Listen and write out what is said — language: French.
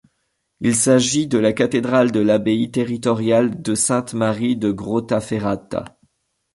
Il s'agit de la cathédrale de l'abbaye territoriale de Sainte Marie de Grottaferrata.